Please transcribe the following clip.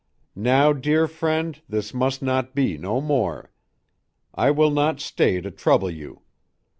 Now dere frend this must not be no more. I will not stay to trouble you.